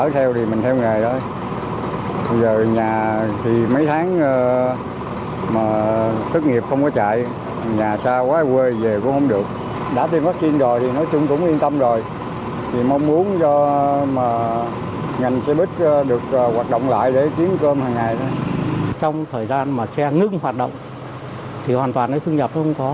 trong thời gian mà xe ngưng hoạt động thì hoàn toàn thu nhập không có